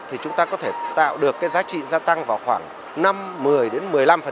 thì chúng ta có thể tạo được cái giá trị gia tăng vào khoảng năm mươi đến một mươi năm